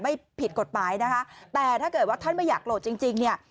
ไม่ผิดกฎหมายนะคะแต่ถ้าเกิดว่าท่านไม่อยากโหลดจริงจริงเนี่ย